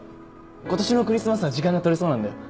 今年のクリスマスは時間が取れそうなんだよ。